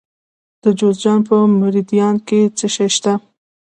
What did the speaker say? د جوزجان په مردیان کې څه شی شته؟